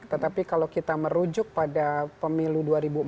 tetapi kalau kita merujuk pada pemilu dua ribu empat belas